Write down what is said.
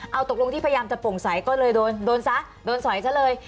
เอาตกลงที่พยายามจะปงสัยก็เลยโดนสัยเถอะเลย